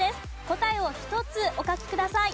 答えを１つお書きください。